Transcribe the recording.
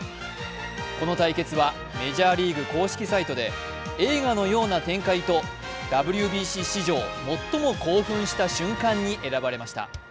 この対決はメジャーリーグ公式サイトで映画のような展開とＷＢＣ史上最も興奮した瞬間に選ばれました。